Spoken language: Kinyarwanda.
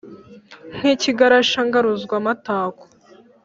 Nk ' ikigarasha ngaruzwamatako .